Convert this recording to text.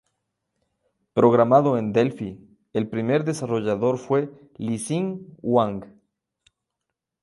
Programado en Delphi, el primer desarrollador fue Li-Hsin Huang.